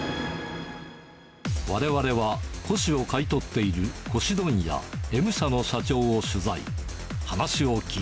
われわれは古紙を買い取っている古紙問屋、Ｍ社の社長を取材。